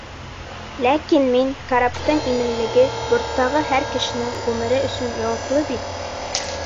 Ләкин мин караптың именлеге, борттағы һәр кешенең ғүмере өсөн яуаплы бит.